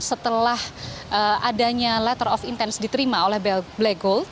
setelah adanya letter of intens diterima oleh black gold